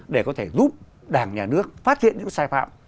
để có thể giúp đảng nhà nước phát hiện những sai phạm